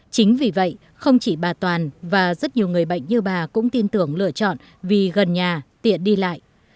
chính vì vậy không chỉ bà toàn và rất nhiều người bệnh như bà cũng tin tưởng lựa chọn vì gần nhà tiện đi lại